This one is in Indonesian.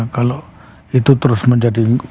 kalau itu terus menjadi